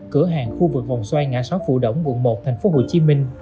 cửa hàng khu vực vòng xoay ngã sóc phủ đỗng quận một tp hcm